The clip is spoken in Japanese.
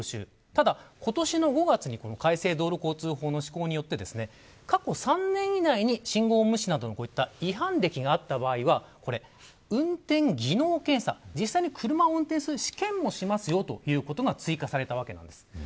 ただ今年５月に改正道路交通法の施行によって過去３年以内に信号無視などのこういった違反歴があった場合は運転技能検査実際に車を運転する試験もすることが追加されたわけなんです。